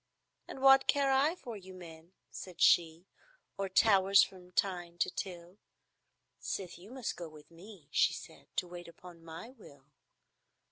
"And what care I for you men," said she, "Or towers from Tyne to Till, Sith you must go with me," she said, "To wait upon my will?"